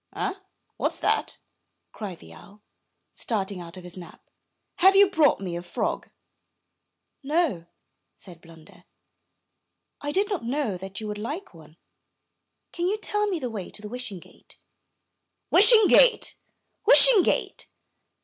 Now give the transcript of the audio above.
''Eh! what's that?'' cried the owl, starting out of his nap. ''Have you brought me a frog?" "No," said Blunder, "I did not know that you would like one. Can you tell me the way to Wishing Gate?" " Wishing Gate ! Wishing Gate!"